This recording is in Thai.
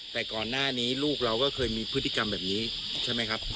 แต่ก่อนหน้านี้ลูกเราก็เคยมีพฤติกรรมแบบนี้ใช่ไหมครับ